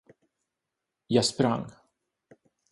Jag sprang.